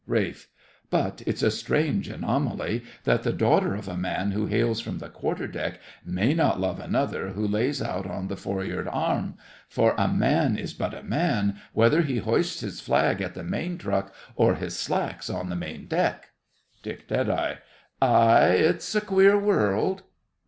RALPH, But it's a strange anomaly, that the daughter of a man who hails from the quarter deck may not love another who lays out on the fore yard arm. For a man is but a man, whether he hoists his flag at the main truck or his slacks on the main deck. DICK. Ah, it's a queer world!